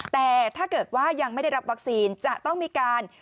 แต่ถ้าเกิดว่ายังไม่ได้รับวัคซีนจะต้องมีการ